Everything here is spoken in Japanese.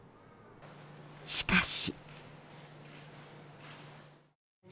しかし。